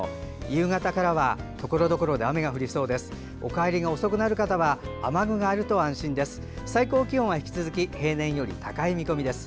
夕方からはところどころで雨が降りそうです。